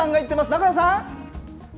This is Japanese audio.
中谷さん。